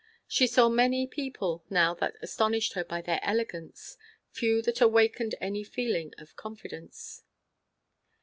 She saw many people now that astonished her by their elegance; few that awakened any feeling of confidence.